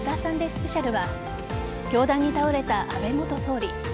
スペシャルは凶弾に倒れた安倍元総理。